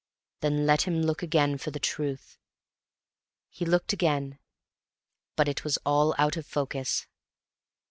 Then let him look again for the truth. He looked again—but it was all out of focus.